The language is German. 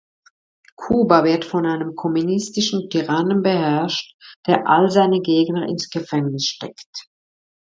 Kuba wird von einem kommunistischen Tyrannen beherrscht, der all seine Gegner ins Gefängnis steckt.